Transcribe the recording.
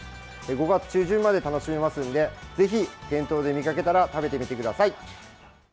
５月中旬まで楽しめますのでぜひ店頭で見かけたら食べてみてください。